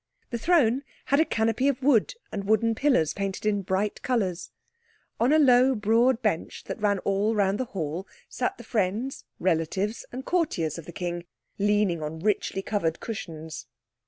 The throne had a canopy of wood and wooden pillars painted in bright colours. On a low, broad bench that ran all round the hall sat the friends, relatives, and courtiers of the King, leaning on richly covered cushions.